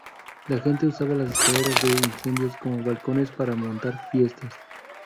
La gente usaba las escaleras de incendios como balcones para montar fiestas.